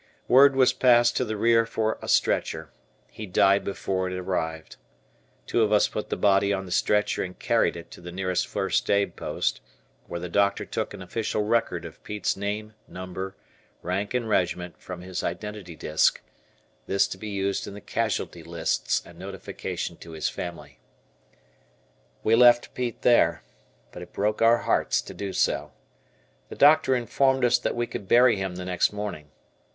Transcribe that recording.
Word was passed to the rear for a stretcher. He died before it arrived. Two of us put the body on the stretcher and carried it to the nearest first aid post, where the doctor took an official record of Pete's name, number, rank, and regiment from his identity disk, this to be used in the Casualty Lists and notification to his family. We left Pete there, but it broke our hearts to do so. The doctor informed us that we could bury him the next morning.